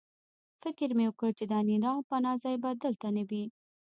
فکر مې وکړ چې د انیلا پناه ځای به دلته نه وي